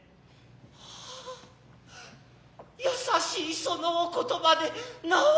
ああ優しい其のお言葉で尚ほ